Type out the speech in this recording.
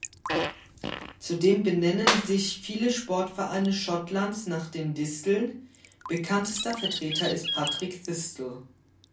Zudem benennen sich viele Sportvereine Schottlands nach den Disteln; bekanntester Vertreter ist Partick Thistle.